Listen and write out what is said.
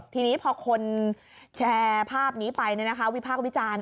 ทีนี้พอคนแชร์ภาพนี้ไปวิพากษ์วิจารณ์